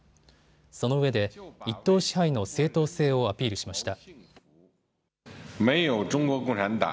そのうえで一党支配の正統性をアピールしました。